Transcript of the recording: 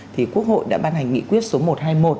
thì quốc hội đã ban hành nghị quyết số một trăm hai mươi một